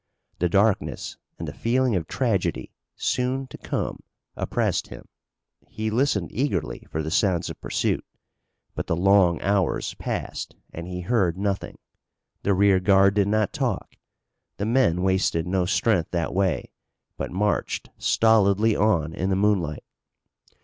The darkness and the feeling of tragedy soon to come oppressed him. He listened eagerly for the sounds of pursuit, but the long hours passed and he heard nothing. The rear guard did not talk. The men wasted no strength that way, but marched stolidly on in the moonlight.